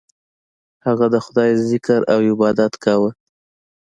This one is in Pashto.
هغه د خدای ذکر او عبادت کاوه.